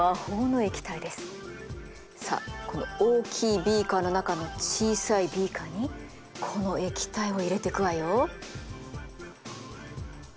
さあこの大きいビーカーの中の小さいビーカーにこの液体を入れてくわよ。